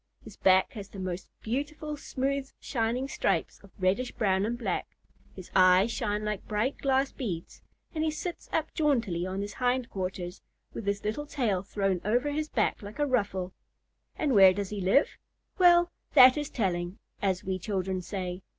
His back has the most beautiful smooth shining stripes of reddish brown and black, his eyes shine like bright glass beads, and he sits up jauntily on his hind quarters, with his little tail thrown over his back like a ruffle. And where does he live? Well, "that is telling," as we children say.